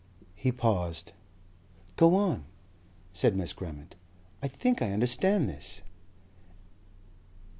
He paused. "Go on," said Miss Grammont. "I think I understand this."